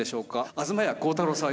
東家孝太郎さん